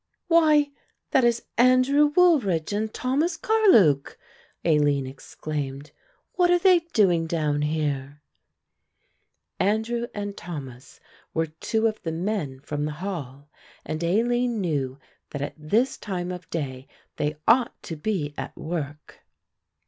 "Why that is Andrew Woolridge and Thomas Carluke," Aline exclaimed. "What are they doing down here?" Andrew and Thomas were two of the men from the Hall and Aline knew that at this time of day they ought to be at work.